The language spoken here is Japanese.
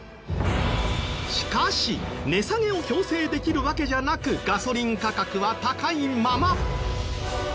しかし値下げを強制できるわけじゃなくガソリン価格は高いまま。